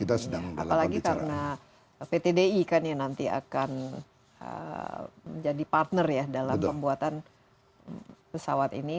apalagi karena pt di nanti akan menjadi partner dalam pembuatan pesawat ini